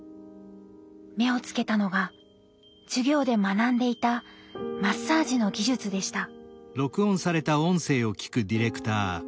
目をつけたのが授業で学んでいたマッサージの技術でした。